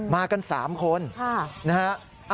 มากัน๓คนนะฮะ